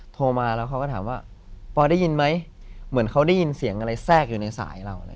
โทรมาแล้วเขาก็ถามว่าปอยได้ยินไหมเหมือนเขาได้ยินเสียงอะไรแทรกอยู่ในสายเรา